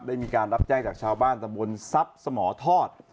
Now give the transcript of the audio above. ได้รับแจ้งจากชาวบ้านตะบนทรัพย์สมทอด